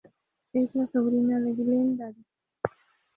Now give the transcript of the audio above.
Es la sobrina de Glenn Davis.